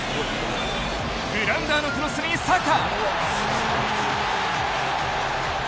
グラウンダーのクロスにサカ。